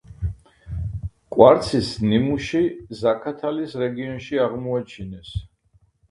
კვარცის ნიმუში ზაქათალის რეგიონში აღმოაჩინეს.